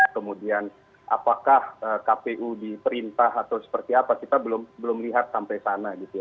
kemudian apakah kpu diperintah atau seperti apa kita belum lihat sampai sana gitu ya